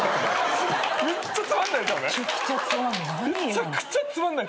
めちゃくちゃつまんない。